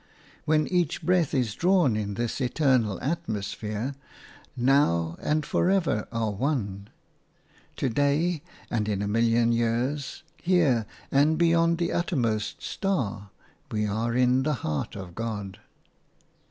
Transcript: When each breath is drawn in this eternal atmosphere, now and forever are one; to day and in a million years, here and beyond the uttermost star, we are in the heart of God.